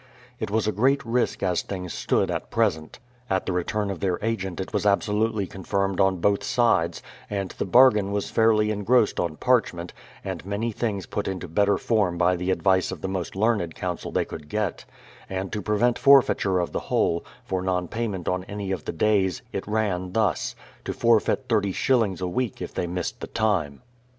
It was a great risk as things stood at present. At the return of their agent it was abso luely confirmed on both sides, and the bargain was fairly engrossed on parchment, and many things put into better form by the advice of the most learned counsel they could get; and to prevent forfeiture of the whole, for non pay ment on any of the days, it ran thus: to forfeit thirty shillings a week if they missed the time.